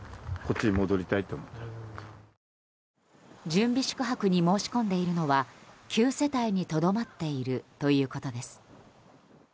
準備宿泊に申し込んでいるのは９世帯にとどまっているということです。